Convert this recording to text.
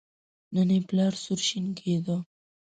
نن یې پلار سور شین کېده.